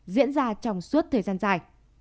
diễn ra trong suốt thời gian dài